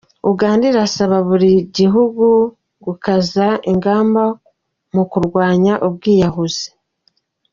Uganda irasaba buri gihugu gukaza ingamba mu kurwanya ubwiyahuzi